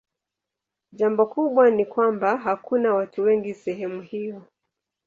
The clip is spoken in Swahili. Jambo kubwa ni kwamba hakuna watu wengi sehemu hiyo.